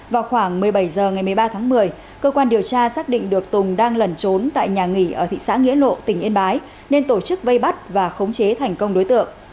vào khoảng một mươi bảy h ngày một mươi ba tháng một mươi cơ quan điều tra xác định được tùng đang lẩn trốn tại nhà nghỉ ở thị xã nghĩa lộ tỉnh yên bái nên tổ chức vây bắt và khống chế thành công đối tượng